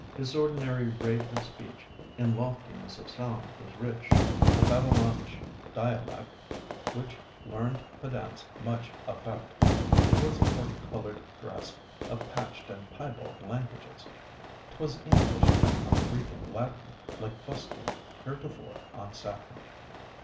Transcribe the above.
His ordinary rate of speech In loftiness of sound was rich; A Babylonish dialect, Which learned pedants much affect; It was a parti color'd dress Of patch'd and piebald languages: 'Twas English cut on Greek and Latin, Like fustian heretofore on satin.